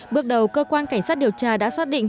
bước đầu cơ quan cảnh sát điều tra đã xác định